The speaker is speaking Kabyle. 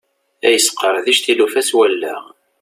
Ad yesqerdic tilufa s wallaɣ.